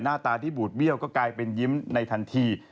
หน้าตาที่บูดเบี้ยวก็กลายเป็นยิ้มในทันที